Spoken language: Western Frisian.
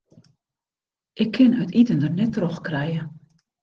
Ik kin it iten der net troch krije.